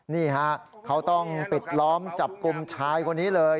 นี่ฮะเขาต้องปิดล้อมจับกลุ่มชายคนนี้เลย